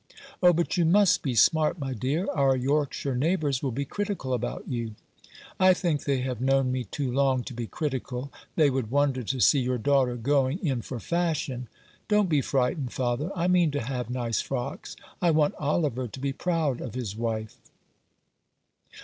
"Oh, but you must be smart, my dear. Our Yorkshire neighbours will be critical about you." "I think they have known me too long to be critical. They would wonder to see your daughter going in for fashion. Don't be frightened, father ! I mean to have nice frocks. I want Oliver to be proud of his wife."